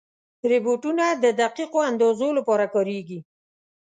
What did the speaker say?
روبوټونه د دقیقو اندازو لپاره کارېږي.